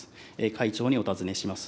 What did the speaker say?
会長にお尋ねします。